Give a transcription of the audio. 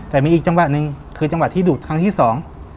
แต่มีอีกจังหวะหนึ่งคือจังหวะที่ดูดครั้งที่สอง